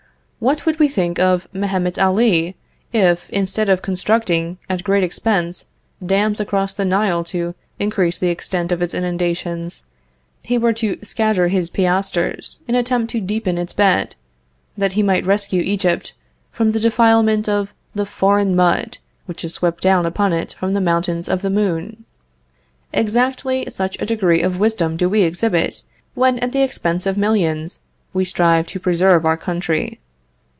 What would we think of Mehemet Ali, if, instead of constructing, at great expense, dams across the Nile to increase the extent of its inundations, he were to scatter his piasters in attempts to deepen its bed, that he might rescue Egypt from the defilement of the foreign mud which is swept down upon it from the mountains of the Moon? Exactly such a degree of wisdom do we exhibit, when at the expense of millions, we strive to preserve our country....